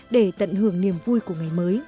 để tận hưởng niềm vui của ngày mới